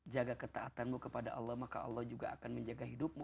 jaga ketaatanmu kepada allah maka allah juga akan menjaga hidupmu